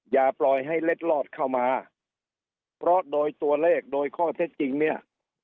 อย่าปล่อยให้เล็ดลอดเข้ามาเพราะโดยตัวเลขโดยข้อเท็จจริงเนี่ย